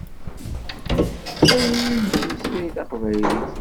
S tayri i nettmeslay taqbaylit.